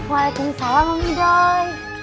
waalaikumsalam kang idoi